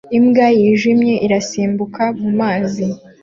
Imbwa yijimye irasimbuka mu mazi